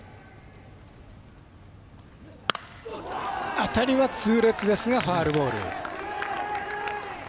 当たりは痛烈ですがファウルボール。